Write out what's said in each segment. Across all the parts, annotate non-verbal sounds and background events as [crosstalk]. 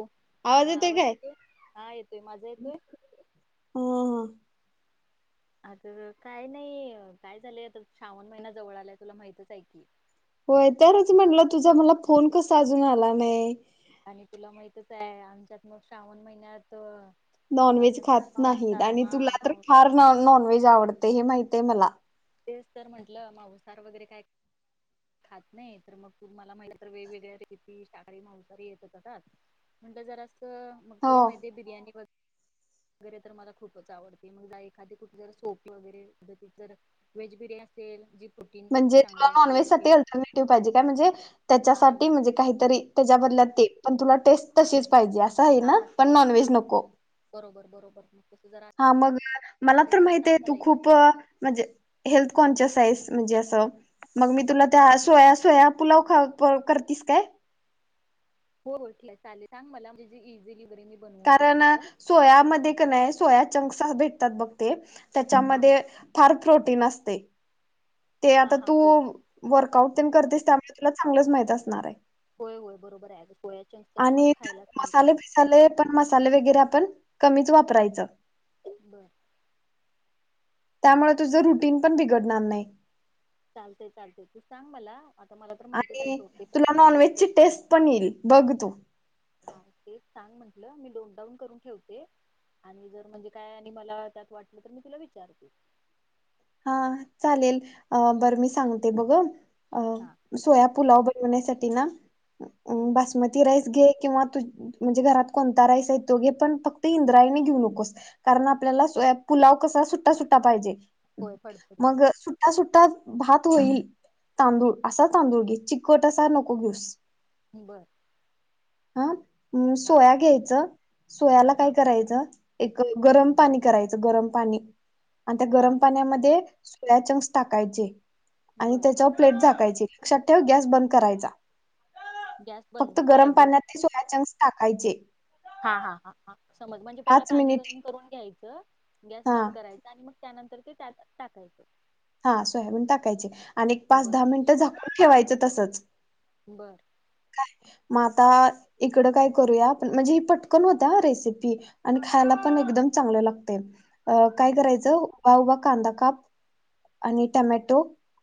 हा आवाज येतोय हा येतोय माझा येतोय. हा हा काय नाही काय झालंय आता श्रावन महिना जवळ आलाय तुला माहितच आहे की. होय तरच म्हनलं तुझा मला फोन कसा अजून आला नाही. आणि तुला माहितच आहे आमच्यात मग श्रावण महिन्यात नॉनव्हेज असं खात नाही मांसाहार आणि हा तुला तर मां फार नॉनव्हेज आवडत. ते हे माहित आहे मला तेच तर म्हंटलं मांसाहार वगैरे काय खात नाही तर मग तुम्हाला म्हटलं तर वेगवेगळ्या रेसिपि, शाकाहारी मांसाहारी येतच असतात म्हण जर अस मग हो तुला माहिती आहे बिर्याणी. [unintelligible] वेज बिर्याणी असेल जी प्रोटीन साठी म्हणजे तुला चांगली नॉनव्हेज असेल साठी ते अल्टरनेटिव्ह पाहिजे काय म्हणजे, हा त्याच्यासाठी म्हणजे, काहीतरी त्याच्या बदलात ते पण तुला टेस्ट तशी हे अस आहे ना हा पण सेम हा नॉनव्हेज नको बरोबर बरोबर मग तसं जरा हा मग मला तर असेल माहिती सांग आहे तू मला खुप एखादी अ म्हणजे हेल्थ कॉन्सिस आहेस. म्हणजे असं मग मी तूला त्या सोया सोया पुलाव खा खाप करतीस काय? [unintelligible] कारण शकेन असं सोयामध्ये का नाही सोया. चँक्स सा भेटतात बघ ते हा त्याच्यामध्ये फार प्रोटीन असतय. ते हा आता हा तू होय वर्कआऊट तेन करतीस त्यामुळं तुला चांगलंच माहित असणार हाय होय होय बरोबर आहे अगं सोया चंक्स तर आम्हाला आणि खायलाच सांगतात मसाले फिसाले पण मसाले वगैरे आपण कमीच वापरायचं. [inaudible] त्यामुळे तुझ रुटीन पण बिघडणार नाही. चालतय चालतय तू सांग मला. आता मला तर माहितच आहे आणि सोड ते तुला नॉन प्रथिनयुक्त व्हेजची टेस्ट पण येईल बघ तू. हा तेच सांग म्हंटलं मी नोटडाऊन करून ठेवते आणि जर म्हणजे काय आणि मला त्यात वाटलं तर मी तुला विचारते. हा चालेल अ बरं मी सांगते बघ अ अ हा सोयापूलाव बग निवडण्यासाठी ना हम्म म बासमती राईस घे. किंवा तू तू म्हणजे घरात कोणता राईस आहे तो घे पण फक्त इंद्रायणी घेऊ नकोस कारण आपल्याला सोया पुलाव कसा सुट्टा सुट्टा पाहिजे. होय फडफडीत मग सुट्टा सुट्टा भात तो होईल तांदूळ असा तांदूळ घे चिकट असा नको घेऊस. बरं हा हा सोया घ्यायचं सोयाला काय हा करायचं? एक गरम पाणी करायचं गरम पाणी आन त्या हा गरम सोयाचंक्स टाकायचे. ते आणि बरं त्याच्यावर प्लेट झााकायची. लक्षात ठेव गॅस बंद करायचा. गॅस बंद फक्त काय गरम बर पाण्यात ते सोयाचंक्स टाकायचे. हा हा हा हा समज म्हणजे पहिला पाच पाणी मिनिटे गरम करून घ्यायचं गॅस हा बंद करायचं आणि मग त्यानंतर ते त्यातच टाकायच. हां सोयाबीन टाकायचे आणि एक पाच बर दहा मिनिटं झाकून ठेवायचंत. तसंच बरं मग आता इकड काय करूया आपण म्हणजे ही पटकन होतीया हा रेसिपी आणि खायला पण एकदम चांगलं लागतंय. अ काय बर करायचं? उभा उभा कांदा काप आणि टमॅटो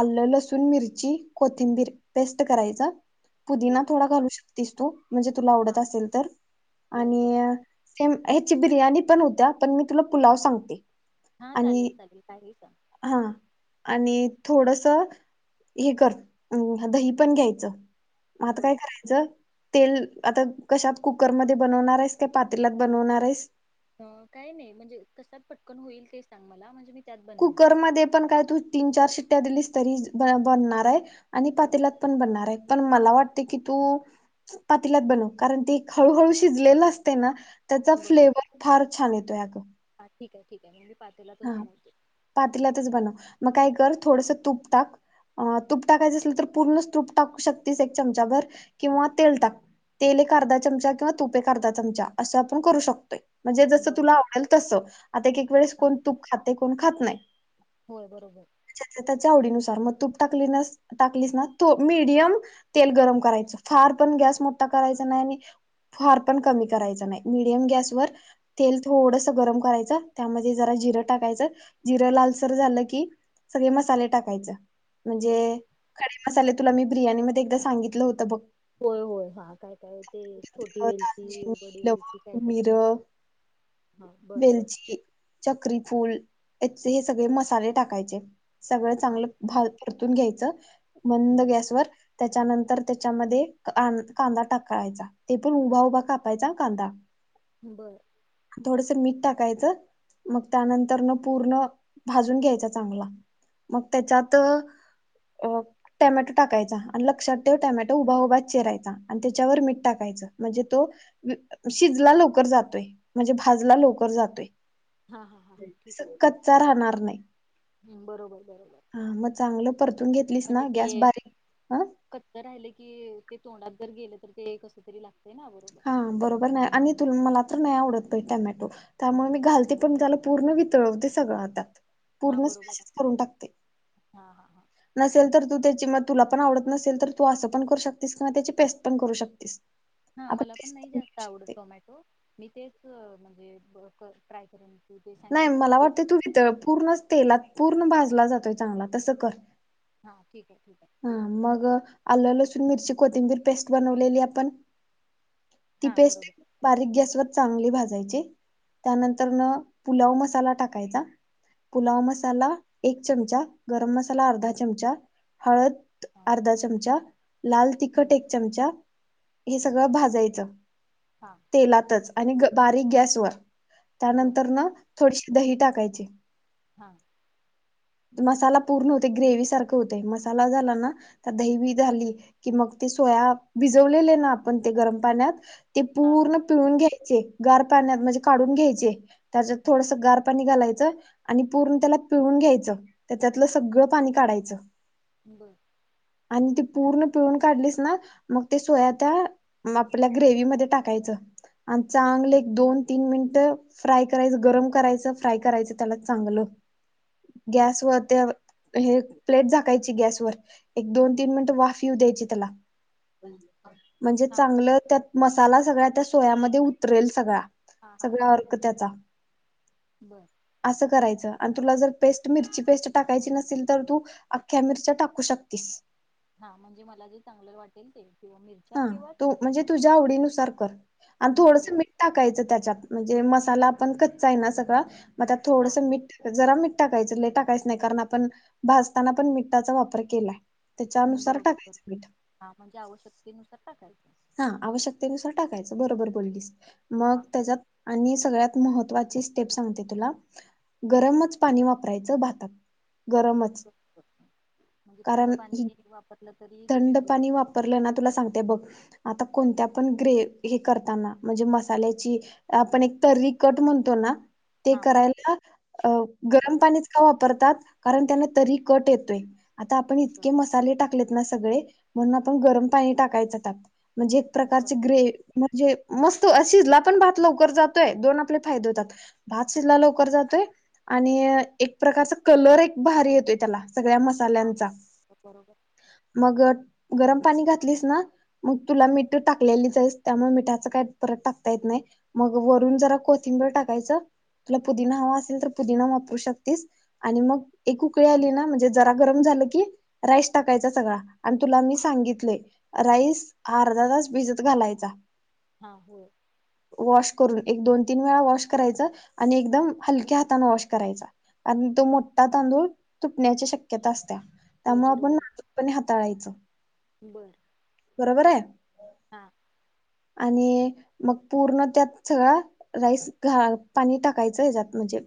आलं लसूण मिरची कोथिंबीर पेस्ट करायचं. पुुदीना बर थोडा घालू शक् तीस तू म्हणजे तुला हा आवडत असेल तर बर आणि बर ते म् ह्याची बिर्याणी पण होत्या पण मी तुला पुलाव सांगते हा आणि चालेल चालेल काही सांग हं आणि थोडस हे कर हम् दही पण घ्यायचं आता बर काय करायचं तेल आता कश्यात कुकरमध्ये बनवणार आहेस. का पातेल्यात बनवणार आहेस? अ काय नाही म्हणजे अ् कशात पटकन होईल ते सांग मला म्हणजे मी त्यात बनवेन कुकरमध्ये पण काय? तू तीन चार शिट्ट्या दिलीस तरी बनणार आहे आणि पातेल्यात पण बनणार आहे पण मला वाटतंय की तू पातेल्यात बनव. कारण ते हळूहळू शिजलेलं असतंय ना त्याचा बर फ्लेवर फार छान येतोय अगं हा ठीक आहे ठीक आहे म् हा पातल्यातच बनव. मग काय कर? थोडसं तूप टाक तूप टाकायचं असलं तर पूर्णच तूप टाकू शकतेस. एक चमचाभर किंवा तेल टाक तेल एक अर्धा चमचा किंवा तूप एक अर्धा चमचा असं आपण करू शक् तो म्हणजे जस बर तुला आवडेल तसं आता एक एक वेळेस हा कोण ते कोण खात नाही होय बरोबर हाय आपापल्या आवडीनुसार मग तुप टाकलिनास टाकलिस ना थो मीडियम तेल गरम करायचं फार पण गॅस मोठा करायचा नाही आणि फार पण कमी करायचा नाही मीडियम गॅसवर तेल थोडसं गरम करायचं त्यामध्ये जरा जिर टाकायचं जिरं लालसर झालं की सगळे मसाले टाकायचंु म्हंजे बर खडे मसाले [inaudible] तुला मी बिर्याणीमध्ये एकदा सांगितलं होतं बग होय होय हां काय? काय? ते छोटी वेलची बडी दालचिनी वेलची काय लवंग काय? मिरं हा बर बर वेलची चक्री फूल हेचे हे सगळे मसाले टाकायचे सगळं हा चांगलं भाजू परतून घ्यायचं मंद बर गॅसवर त्याच्यानंतर त्याच्यामध्ये आ् कांदा टाकायचा ते पण उभा उभा कापायचा कांदा बरं थोडस मीठ टाकायचं मग त्यानंतर न पूर्ण भाजून घ्यायच चांगला मग त्याच्यात टॅमॅटो टाकायचा आणि लक्षात ठेव. टॅमॅटो उभा उभा चीरायचा आणि त्याच्यावर मीठ टाकायचं म्हणजे तो शिजला लवकर जातोय. म्हणजे भाजला लवकर जातोय हा हा हा हा ठीक आहे [unintelligible] ठीक कच्चा राहणार नाही आहे हम्म, बरोबर बरोबर हा मग चांगलं परतून घेतलीस म्हणजे ना गॅस बारीक हं कि ते तोंडात जर गेले तर ते कस तरी लाग हा बरोबर नाय आणि तु मला तर [unintelligible] टॉमॅटो त्यामुळे मी घालते कम झालं पूर्ण वितळवते ते सगळ आता हा पूर्ण बरोबर आहे मॅशच करून टाकते हा हा हा नसेल तर तू त्याची म तुला पण आवडत नसेल तर तू असं पण करू शकतेस किंवा त्याची पेस्ट पण करू शकतेस. हा आपण मला पण पेस्ट नाही करू जास्त आवडत शकते. टॉमॅटो मी ते कअ म्हणजे ब क ट्राय करून नाही मला वाटतय तू पूर्ण तेलात पूर्ण भाज जला जातोय चांगला तस कर [inaudible] आहे हा ते बघते मी. मग आल्ल, लसून, मिरची, कोथिंबीर पेस्ट बनवलेली आपण ती हा पेस्ट बरोबर बारीक गॅस वर चांगली भाज जायची त्यानंतर न पुलाव मसाला टाकायचा हा पुलाव मसाला एक चमचा गरम मसाला अर्धा चमचा हळद हा अर्धा चमचा लाल तिखट हम्म एक चमचा हे बर सगळं भाजायचं हा तेलातच आणि ग बारीक गॅस वर बर त्यानंतर ना थोडीशी दही टाकायचे हा मसाला पूर्ण होतय ग्रेवी सारखं होतय मसाला झाला ना तर दही बी झाली की मग ते सोया भिजवलेले ना आपण ते गरम पाण्यात ते हा हा पूर्ण पिळून घ्याय चे गार पाण्यात म्हणजे काढून घ्यायचे त्याच्यात हम्म, थोडंसं गार पाणी घालाय आणि पूर्ण त्याला पिळून घ्यायचं. त्याच्यातलं सगळं पाणी काढायचं. बर आणि ते पूर्ण पिळून काढलीस ना मग ते सोया त्या आपल्या ग्रेवी मध्ये टाकायचं आणि चांगलं एक दोन तीन मिनिटं फ्राय करायच गरम करायचं फ्राय करायचं त्याला चांगलं गॅसवर त्या हे प्लेट झाकायची गॅसवर एक दोन तीन मिनटं वाफ येऊ द्यायची त्याला म्हणजे हा चांगलं त्यात मस साला सगळ्या त्या सोयामध्ये उतरेल सगळा हा हा सगळा बरोबर अर्क त्याचा बर असं करायचं अनं तुला जर पेस्ट मिरची पेस्ट टाकायची नसेल तर तू अख्ख्या मिरच्या टाकू शकतीस. हा म्हणजे मला जे चांगलं वाटेल ते किंवा मिरच्या हा किंवा तू म्हणजे तुझ्या आवडीनुसार कर आणि हं, थोडस बरोबर मीठ टाकायचं त्याच्यात म्हणजे मसाला पण कच्चा आहे ना सगळा आता हा थोडसं मीठ जरा मीठ टाकायच लई टाकायच नाही कारण आपण भाजताना पण मिटाचा वापर केलाय. ह त्याच्यानुसार बरोबर ब टाकायचं मीठ हा म्हणजे आवश्यकतेनुसार टाकायचं. हा आवश्यकतेनुसार टाकायचं बरोबर बोललीस. हा मग त्याच्यात आणि सगळ्यात महत्त्वाची स्टेप सांगते तुला गरमच पाणी वापरायचं भातात गरमच म्हणजे थंड कारण पाणी वापरलं तरी ते थंड बिघडू पाणी शकत वापरलं ना तुला सांगते बघ. आता कोणत्या पण ग्रेव हे करताना म्हणजे मसाल्याची आपण एक तर्री कट म्हणतो ना ते हा करायला अ गरम बरोबर पाणीच का वापरतात. कारण त्यांना तरी कट येतोय आता आपण इतके मसाले टाकलेत ना सगळे म्हणून आपण गरम पाणी टाकायच त्यात म्हणजे एक बर प्रकारचे ग्रे म्हणजे मस्त शिजला पण भात लवकर जातोय दोन आपले फायदे होतात भात शिजला लवकर जातोय आणि एक प्रकारचा कलर एक भारी येतोय त्याला सगळ्या हा हा मसाल्यांचा बरोबर चा मग गरम पाणी घातलीस ना. मग तुला मिठ टाकलेलीच आहेस. त्यामुळे मिठाच काय परत टाकता येत नाही मग वरून जरा कोथिंबीर टाकायचं तुला पुदिना हवा असेल तर पुदिना वापरू शकतेस, आणि मग एक उकळी आली ना म्हणजे जरा गरम झालं की राईस टाकायचा सगळा आणि तुला मी सांगितलंय राईस अर्धा तास भिजत घालायचा. हा होय वॉश करून एक दोन तीन वेळा वॉश करायच, आणि एकदम हलक्या हातने वॉश करायचा कारण तो मोठा तांदूळ तुटण्याची शक्यता असत्या होय त्यामुळ आपण नाजूकपणे हाताळायचं. बरं बरोबर हाय आणि मग पूर्ण त्यात सगळा राईस घाल. पाणी टाकायचं ह्याच्यात म्हणजे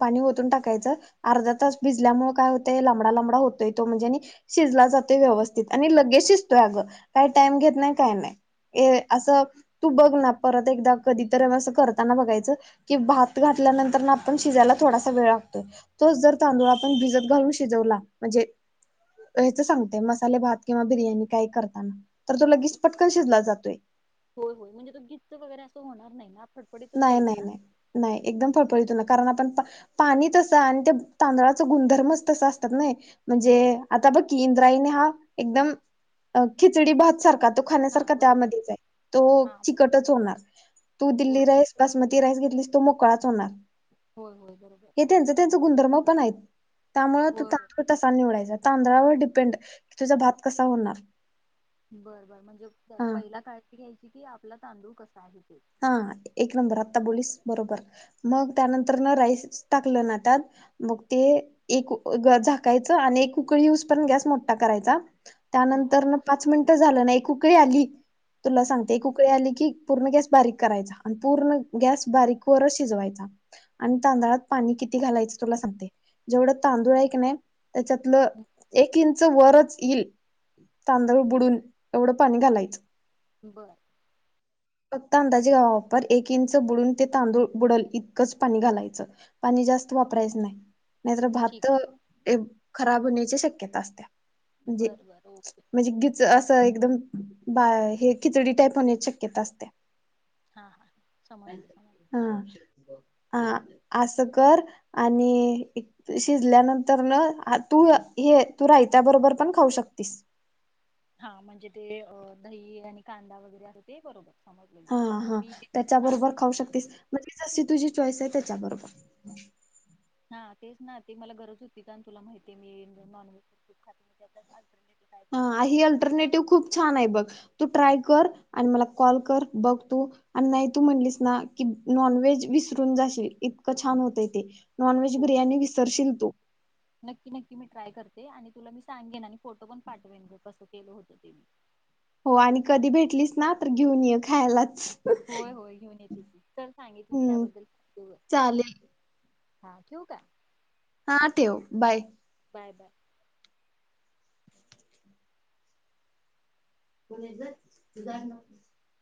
पाणी ओतून टाकायचं. अर्धा तास भिजल्यामुळे काय होतंय लांबडा लांबडा होतोय, तो म्हणजे आणि शिजला जातोय व्यवस्थित आणि लगेच शिजतोय अगं काही टाइम घेत नाही काय नाही. असं तू बघ ना परत एकदा कधीतरी असं करताना बघायचं की भात घातल्यानंतर ना आपण शिजायला थोडासा वेळ लागतोय तोच जर तांदूळ आपण भिजत घालून शिजवला म्हणजे ह्याचं सांगतय, मसाले भात किंवा बिर्याणी काही करताना तर तो लगेच पटकन शिजला जातोय. होय होय म्हणजे तो गीच्च वगेरे असं होणार नाही ना फडफडीतच नाही होईल नाही ना नाही नाही एकदम फळफळीत होणार कारण आपण पाणी तसं आणि ते तांदळाच गुणधर्मच तसं असत्यात नाई म्हणजे आता बघ की इंद्रायनी हा एकदम खिचडी भात सारखा तो खान्या हा सारखा बरोबर त्यामध्ये चं असं हा तो ब- चिकटच होणार तू होय दिलीस बासमती राईस घेतलीस तो मोकळाच होणार. होय होय बरोबर हे त्यांच त्यांच गुंणधर्म पण आहीत त्यामुळं तो होय होय तांदूळ तसा निवडायचा तांदळावर डिपेंड की तुझा भात कसा होणार बरं बरं म्हणजे हा पहिला काय ती घ्यायची? किती आपला तांदूळ कसा आहे? ते हा एक नंबर आता बोललीस बरोबर मग त्यानंतर न राईस टाकलं न त्यातं मग ते एक ग झाकायचं आणि एक ऊकळी येईस्तोवर गॅस मोठा करायचा. हं, त्यानंतर न पाच मिनिटं झालं नाई ऊकळी आली तुला हं, सांगते एक ऊकळी आले की पूर्ण गॅस बारीक करायचा आणि पूर्ण गॅस बारीक वरच शिजवायचा. आणि तांदळात पाणी किती घालायचं तुला सांगते? जेवढं तांदूळ आहे कणी त्याच्यातलं हं. एक इंच वरच येईल तांदूळ बुडून एवढं पाणी घालायचं. बरं फक्त अंदाजे [unintelligible] वापर एक इंच बुडून ते तांदूळ बुडलं इतकच पाणी घालायचं पाणी जास्त हा वापरायचं नाही नाहीतर भात ठीक आहे खराब होण्याची जे ची शक्यता असतीया म्हणजे बर बर ओके म्हणजे गिच असं एकदम बा हे खिचडी टाईप होण्याची शक्यता असतीया हा हा समजली समजली हा. हा असं कर आणि शिजल्यानंतर न तू हे तू रायत्या बरोबर पण खाऊ शकतिस हा म्हणजे ते अ दही आणि कांदा वगैरे असं ते करू हा हा त्याच्याबरोबर खाऊ ना शकतिस म्हणजे जशी तुझी इच्छा चाॅईस आहे त्याच्यां बरोबर हा तेच ना ते मला गरज होती आणि तुला माहितीय मी नॉनव्हेज बिलकूल खातं नाही हा ही अल्टरनेटिव खूप छान आहे बघ तू ट्राय कर कर आणि मला कॉल कर बघ तू आणि नाही तू म्हणलीस ना की नॉन व्हेज विसरून जाशील इतकं छान होतय ते नॉन व्हेज हो बिर्याणी विसरशील तू नक्की नक्की मी ट्राय करते आणि तुला मी सांगेन आणि फोटो पण पाठवेन बघं कसं केलं होतं ते मी हो आणि कधी भेटलीच ना तर घेऊन ये खायलाचं होय होय घेऊन येते चल सांगितलीस हम्म त्याबद्द्ल [unintelligible] चालेल [inaudible] हा ठेऊ का? हा ठेव बाय बाय बाय [unintelligible]